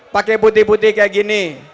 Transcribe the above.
pakai putih putih kayak gini